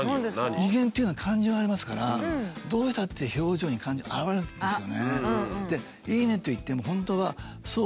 人間っていうのは感情がありますからどうしたって表情に感情が表れるんですよね。